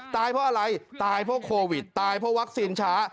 ตายเพราะอะไรตายเพราะโควิดตายเพราะวัคซีนช้า